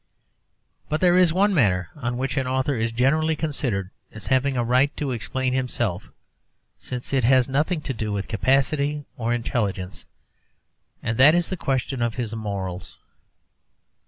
But there is one matter on which an author is generally considered as having a right to explain himself, since it has nothing to do with capacity or intelligence, and that is the question of his morals.